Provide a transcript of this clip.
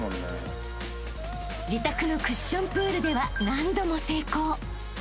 ［自宅のクッションプールでは何度も成功］